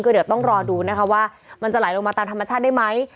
เดี๋ยวต้องรอดูนะคะว่ามันจะไหลลงมาตามธรรมชาติได้ไหม